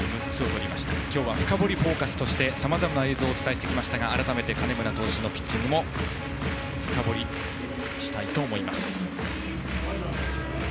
今日は「深掘りＦＯＣＵＳ」としてさまざまな映像をお伝えしてきましたが改めて金村投手のピッチング深掘りしたいと思います。